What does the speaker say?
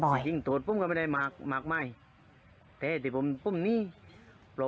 เพราะฉะนั้นไม่ได้เกรงกลัวนะครับแต่ปัญหาก็ถือถ้าสื่อสารไปอย่างนี้นะครับ